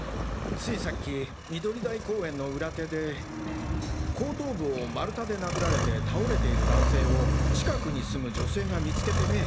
ついさっき緑台公園の裏手で後頭部を丸太で殴られて倒れている男性を近くに住む女性が見つけてね